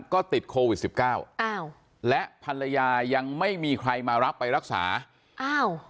ก็ติดโควิดสิบเก้าอ้าวและภรรยายังไม่มีใครมารับไปรักษาอ้าว